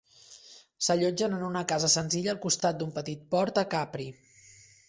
S'allotgen en una casa senzilla al costat d'un petit port a Capri.